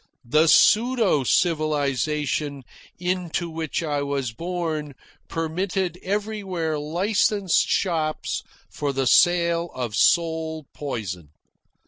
The pseudo civilisation into which I was born permitted everywhere licensed shops for the sale of soul poison.